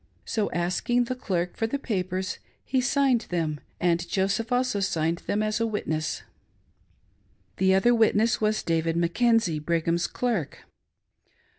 So, asking the clerk for the papers, he signed them, and Joseph also ; signed them as a witness — the other witness was David Mackenzie, Brigham's clerk.